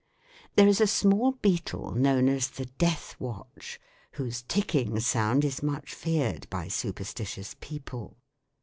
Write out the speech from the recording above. There is a small beetle known as the "death watch" whose ticking sound is much feared by superstitious people.